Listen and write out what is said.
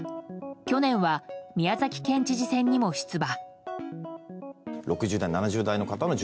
去年は宮崎県知事選にも出馬。